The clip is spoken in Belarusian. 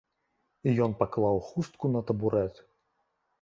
І ён паклаў хустку на табурэт.